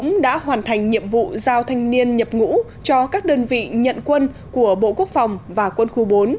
công an đã hoàn thành nhiệm vụ giao thanh niên nhập ngũ cho các đơn vị nhận quân của bộ quốc phòng và quân khu bốn